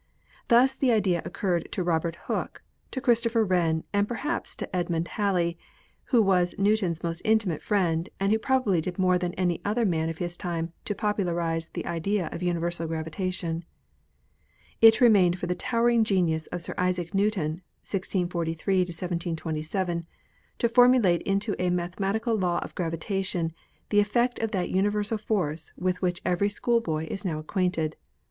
Thus the idea occurred to Robert Hooke, to Christopher Wren and perhaps to Edmund Halley, who was Newton's most intimate friend and who probably did more than any other man of his time to popularize the idea of universal gravitation. It remained for the towering genius of Sir Isaac Newton (1643 1727) to formulate into a mathemati cal law of gravitation the effect of that universal force with which every schoolboy is now acquainted.